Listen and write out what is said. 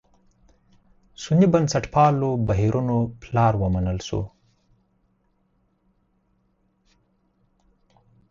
سني بنسټپالو بهیرونو پلار ومنل شو.